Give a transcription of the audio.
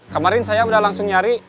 kemarin saya sudah langsung nyari